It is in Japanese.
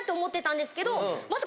まさか。